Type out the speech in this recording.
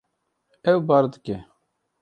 Ew bar dike.